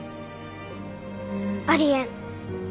ありえん。